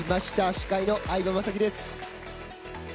司会の相葉雅紀です。